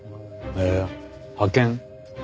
へえ派遣。